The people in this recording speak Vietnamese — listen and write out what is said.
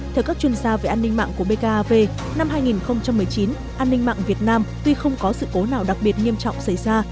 theo các chuyên gia về an ninh mạng của bkav năm hai nghìn một mươi chín an ninh mạng việt nam tuy không có sự cố nào đặc biệt nghiêm trọng xảy ra